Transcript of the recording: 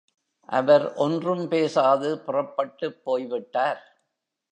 அவர் ஒன்றும் பேசாது புறப்பட்டுப் போய்விட்டார்.